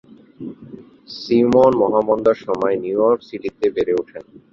Simon মহামন্দার সময়ে New York সিটিতে বেড়ে ওঠেন।